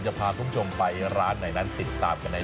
จะพาคุณผู้ชมไปร้านไหนนั้นติดตามกันใน